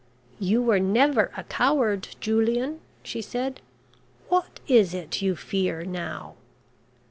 "You were never a coward, Julian," she said. "What is it you fear now?"